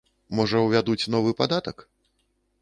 Можа, увядуць новы падатак?